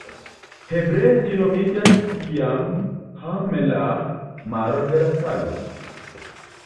Hebree ĝi nomiĝas Jam Ha-melah, Maro de la Salo.